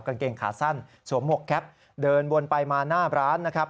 กางเกงขาสั้นสวมหมวกแก๊ปเดินวนไปมาหน้าร้านนะครับ